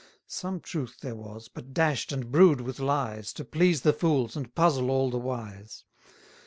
Some truth there was, but dash'd and brew'd with lies, To please the fools, and puzzle all the wise.